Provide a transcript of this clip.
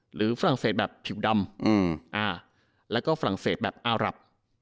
ฝรั่งเศสแบบผิวดำแล้วก็ฝรั่งเศสแบบอารับ